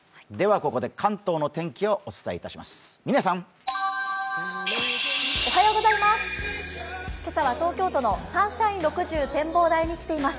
ここで関東の天気をお伝えします。